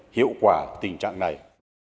hiệu quả tình trạng này